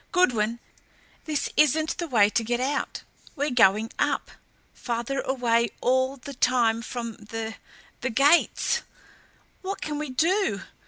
"Goodwin this isn't the way to get out. We're going up farther away all the time from the the gates!" "What can we do?"